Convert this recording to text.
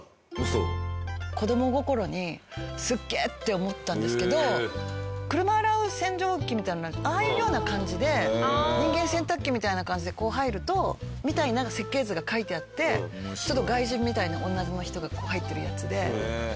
子供心に「すげえ！」って思ったんですけど車洗う洗浄機みたいなのああいうような感じで人間洗濯機みたいな感じでこう入るとみたいになんか設計図が描いてあってちょっと外人みたいな女の人が入ってるやつで。